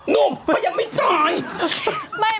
หนุ่มเขายังไม่ตาย